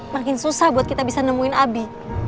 makin susah buat kita bisa nemuin abi